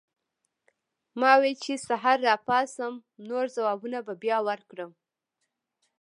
ما وې چې سحر راپاسم نور جوابونه به بیا ورکړم